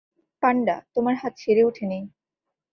পান্ডা, তোমার হাত সেরে ওঠেনি!